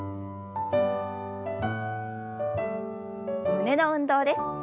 胸の運動です。